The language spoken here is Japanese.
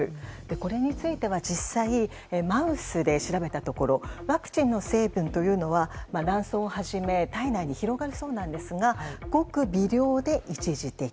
これについては実際マウスで調べたところワクチンの成分というのは卵巣をはじめ胎内に広がるそうなんですがごく微量で一時的。